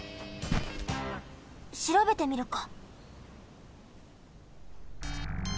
しらべてみるか。